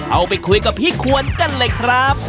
เอาไปคุยกับพี่ควรกันเลยครับ